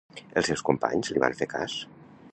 Els seus companys li van fer cas?